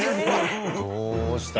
どうした？